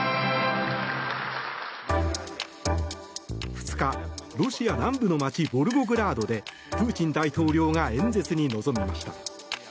２日、ロシア南部の街ボルゴグラードでプーチン大統領が演説に臨みました。